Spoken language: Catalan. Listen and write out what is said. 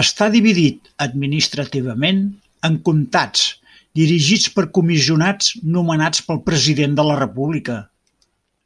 Està dividit administrativament en comtats dirigits per comissionats nomenats pel president de la república.